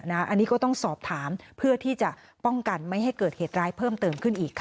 อันนี้ก็ต้องสอบถามเพื่อที่จะป้องกันไม่ให้เกิดเหตุร้ายเพิ่มเติมขึ้นอีกค่ะ